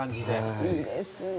いいですね。